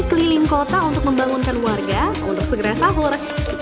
keliling kota untuk membangunkan warga untuk segera sahur